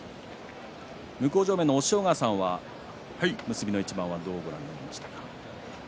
向正面の押尾川さんは結びの一番どうご覧になりましたか？